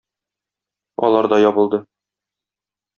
Алар да ябылды.